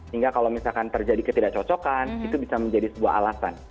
hingga kalau misalkan terjadi ketidakcocokan itu bisa menjadi sebuah alasan